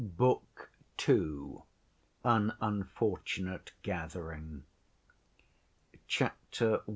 Book II. An Unfortunate Gathering Chapter I.